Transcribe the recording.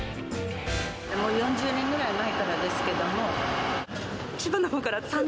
もう４０年ぐらい前からですけども。